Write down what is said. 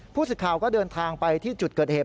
สิทธิ์ข่าวก็เดินทางไปที่จุดเกิดเหตุ